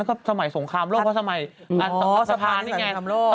ก็สมัยสงครามโลกเพราะสมัยสะพานนี่ไง